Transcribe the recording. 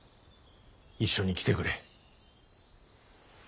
一緒に来てくれ。